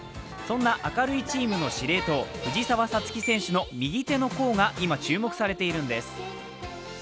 そんな明るいチームの司令塔・藤澤五月選手の右手の甲が今、注目されているんです。